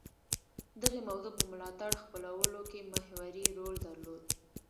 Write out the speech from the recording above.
دغې موضوع په ملاتړ خپلولو کې محوري رول درلود